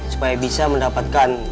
supaya bisa mendapatkan